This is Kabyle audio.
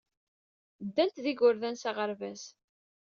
Ddant ed yigerdan s aɣerbaz.